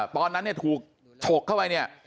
พอนั้นถูกฉกเข้าไว้เนี่ย